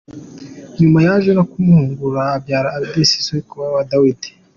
Nyuma yaje no kumuhungura, abyara Obedi sekuruza wa Dawidi.